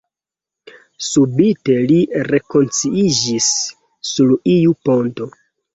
Subite li rekonsciiĝis sur iu ponto.